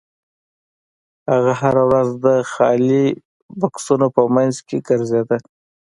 هغه هره ورځ د خالي بکسونو په مینځ کې ګرځیده